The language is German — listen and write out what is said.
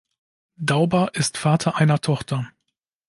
Dauber ist Vater einer Tochter.